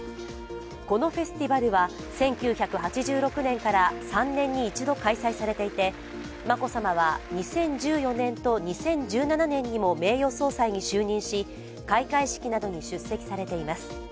このフェスティバルは、１９８６年から３年に一度開催されていて眞子さまは２０１４年と２０１７年にも名誉総裁に就任し開会式などに出席されています。